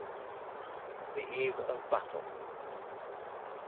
THE EVE OF BATTLE.